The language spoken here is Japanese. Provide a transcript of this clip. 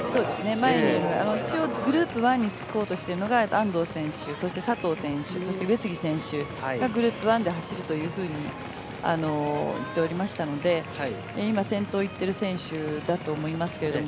前にいるグループ１につこうとしているのが安藤選手そして佐藤選手そして上杉選手がグループ１で走ると言っておりましたので今、先頭をいってる選手だと思いますけれども。